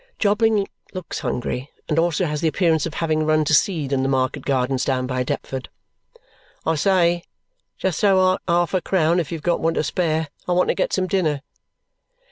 Jobling looks hungry and also has the appearance of having run to seed in the market gardens down by Deptford. "I say! Just throw out half a crown if you have got one to spare. I want to get some dinner."